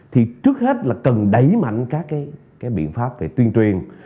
thì trước hết là cần đẩy mạnh các cái biện pháp về tuyên truyền